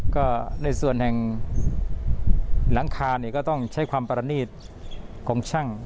ก็ในส่วนแห่งหลังคาเนี่ยก็ต้องใช้ความประนีตของช่าง